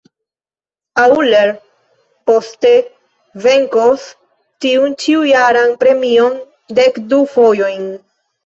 Euler poste venkos tiun ĉiujaran premion dekdu fojojn.